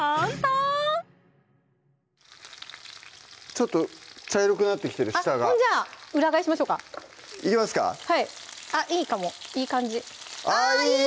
ちょっと茶色くなってきてる下がじゃあ裏返しましょうかいきますかはいあっいいかもいい感じあっいい！